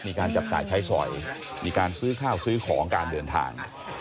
มีการจับจ่ายใช้สอยมีการซื้อข้าวซื้อของการเดินทาง